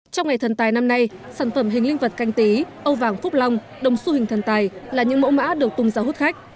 trong ngày thần tài năm nay sản phẩm hình linh vật canh tí âu vàng phúc long đồng xu hình thần tài là những mẫu mã được tung ra hút khách